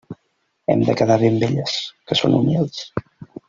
Hem de quedar bé amb elles, que són humils.